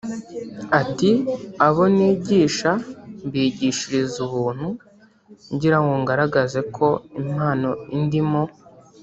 Ati “ Abo nigisha mbigishiriza ubuntu ngira ngo ngaragaze ko impano indimo